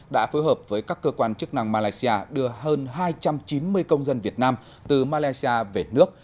đã phối hợp với các cơ quan chức năng malaysia đưa hơn hai trăm chín mươi công dân việt nam từ malaysia về nước